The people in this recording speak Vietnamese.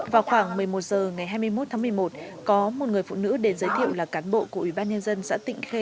vào khoảng một mươi một h ngày hai mươi một tháng một mươi một có một người phụ nữ đến giới thiệu là cán bộ của ubnd xã tịnh khê